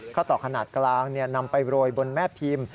ต่อขนาดกลางนำไปโรยบนแม่พิมพ์